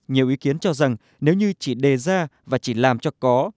nhiều ý kiến cho rằng nếu như chỉ đề ra và chỉ làm cho có